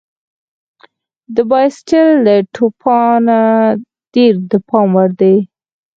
د باسټیل له توپانه ډېر د پام وړ دي.